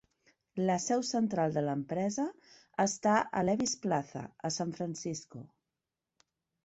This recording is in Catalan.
La seu central de l'empresa està a Levi's Plaza, a San Francisco.